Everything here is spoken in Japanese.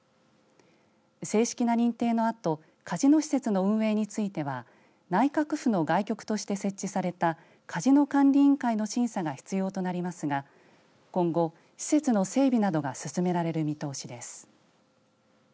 正式な認定のあとカジノ施設の運営については内閣府の外局として設置されたカジノ管理委員会の審査が必要となりますが今後、施設の整備などが進められる見通しです。